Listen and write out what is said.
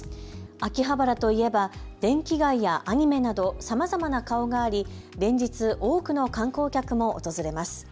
秋葉原といえば電気街やアニメなどさまざまな顔があり連日、多くの観光客も訪れます。